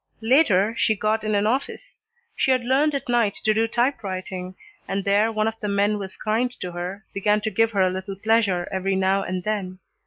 Later, she got in an office. She had learned at night to do typewriting, and there one of the men was kind to her, began to give her a little pleasure every now and then.